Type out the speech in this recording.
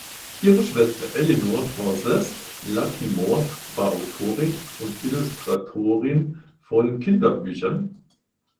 Ihre Schwester Eleanor Frances Lattimore war Autorin und Illustratorin von Kinderbüchern.